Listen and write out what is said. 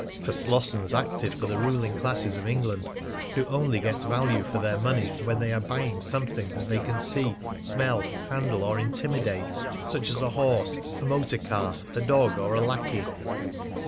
For Slossons acted for the ruling classes of England, who only get value for their money when they are buying something that they can see, smell, handle, or intimidate such as a horse, a motor car, a dog, or a lackey.